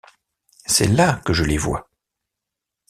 C’est là que je les vois.